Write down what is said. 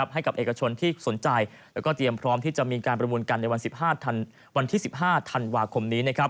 ให้กับเอกชนที่สนใจแล้วก็เตรียมพร้อมที่จะมีการประมูลกันในวันที่๑๕ธันวาคมนี้